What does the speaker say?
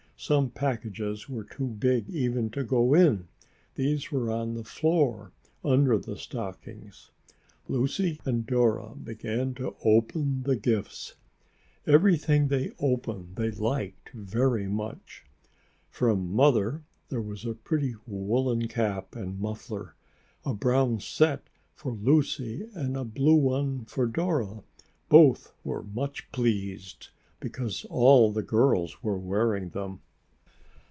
Some packages were too big even to go in. These were on the floor under the stockings. Lucy and Dora began to open the gifts, and everything they opened they liked very much. From Mother there was a pretty woolen cap and muffler, a brown set for Lucy and a blue one for Dora. Both were much pleased, because all the girls were wearing them.